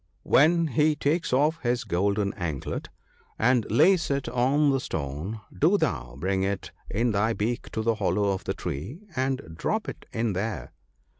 When he takes off his gold anklet, and lays it on the stone, do thou bring it in thy beak to the hollow of the tree, and drop it in there."